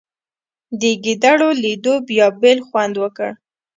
د ګېډړو لیدو بیا بېل خوند وکړ.